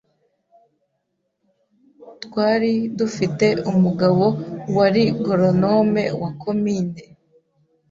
btwari dufite umugabo wari goronome wa Komine